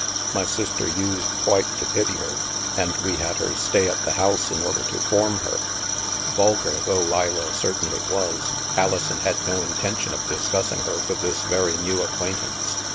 My sister used quite to pity her, and we had her stay at the house in order to form her." Vulgar though Leila certainly was, Alison had no intention of discussing her with this very new ac quaintance.